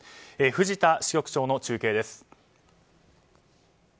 藤田支局長の中継です。